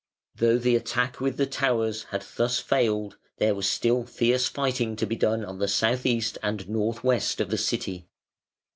Though the attack with the towers had thus failed there was still fierce fighting to be done on the south east and north west of the City.